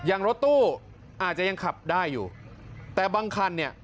รถตู้อาจจะยังขับได้อยู่แต่บางคันเนี่ย